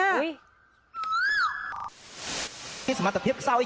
เอ่อแอปนี้